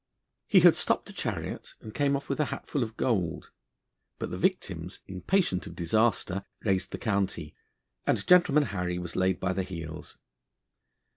He had stopped a chariot, and came off with a hatful of gold, but the victims, impatient of disaster, raised the county, and Gentleman Harry was laid by the heels.